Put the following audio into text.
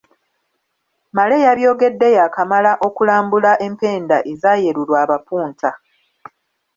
Male yabyogedde yaakamala okulambula empenda ezaayerurwa abapunta.